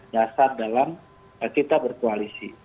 dasar dalam kita berkoalisi